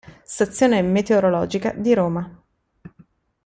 Stazione meteorologica di Roma